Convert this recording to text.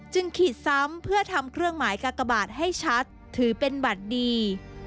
ขีดซ้ำเพื่อทำเครื่องหมายกากบาทให้ชัดถือเป็นบัตรดี